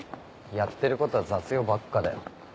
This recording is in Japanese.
やってることは雑用ばっかだよ。